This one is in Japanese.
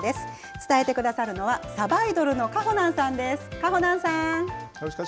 伝えてくださるのは、さばいどるのかほなんさんです。